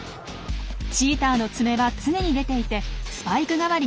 チーターの爪は常に出ていてスパイク代わりになっています。